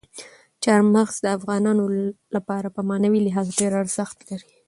چار مغز د افغانانو لپاره په معنوي لحاظ ډېر ارزښت لري.